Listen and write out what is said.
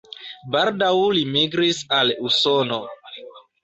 Baldaŭ li migris al Usono.